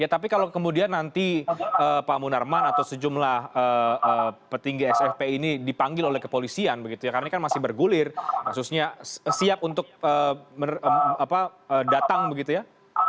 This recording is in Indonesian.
tapi kalau kemudian nanti pak munarman atau sejumlah petinggi sfpi ini dipanggil oleh kepolisian begitu ya karena ini kan masih bergulir kasusnya siap untuk datang begitu ya